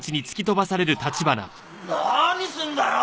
何すんだよ！